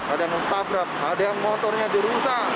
ada yang tabrak ada yang motornya dirusak